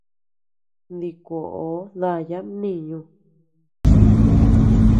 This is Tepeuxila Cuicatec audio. Dikuoo daya mniñu.